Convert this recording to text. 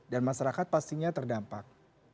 dan masyarakat pastinya terdampak